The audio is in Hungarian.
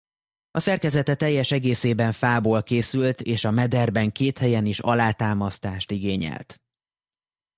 A szerkezete teljes egészében fából készült és a mederben két helyen is alátámasztást igényelt.